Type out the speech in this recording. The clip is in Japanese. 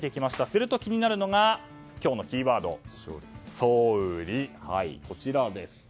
すると気になるのは今日のキーワードソウリ。